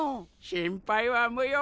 心配は無用。